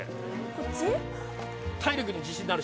こっち？